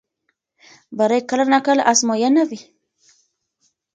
بری کله ناکله ازموینه وي.